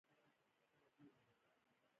آسونه مو کمزوري شوي وو.